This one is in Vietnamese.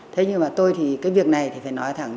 thế nhưng mà tôi thì cái việc này thì phải nói thẳng